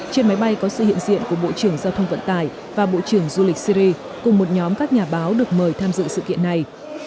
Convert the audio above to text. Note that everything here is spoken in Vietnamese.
trên máy bay có sự hiện diện của bộ trưởng giao thông vận tải và bộ trưởng du lịch syri cùng một nhóm các nhà báo được mời tham dự sự kiện này